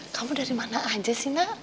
kamu dari mana aja sih nak